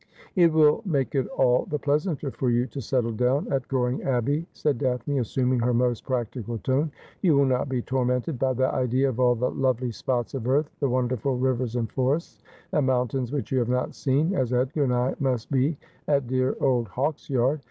' It will make it all the pleasanter for you to settle down at Goring Abbey,' said Daphne, assuming her most practical tone. ' You will not be tormented by the idea of all the lovely spots of earth, the wonderful rivers and forests and mountains which you have not seen, as Edgar and I must be at dear old Hawksyard.